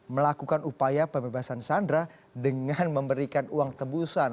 melakukan upaya pembebasan sandra dengan memberikan uang tebusan